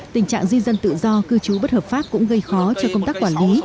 tình trạng di dân tự do cư trú bất hợp pháp cũng gây khó cho công tác quản lý